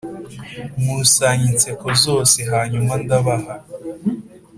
nkusanya inseko zose hanyuma ndabaha.